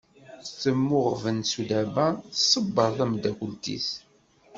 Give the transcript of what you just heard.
Temmuɣben Sudaba, tṣebber tamdakelt-is.